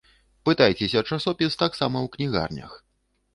Пытайцеся часопіс таксама ў кнігарнях.